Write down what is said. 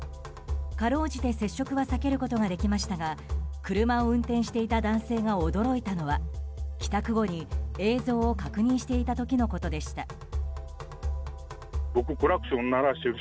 かろうじて接触は避けることはできましたが車を運転していた男性が驚いたのは帰宅後に映像を確認していた時のことでした。